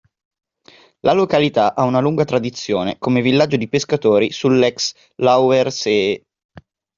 La località ha una lunga tradizione come villaggio di pescatori sull'ex-Lauwerszee.